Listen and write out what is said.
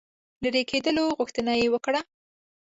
لیري کېدلو غوښتنه یې وکړه.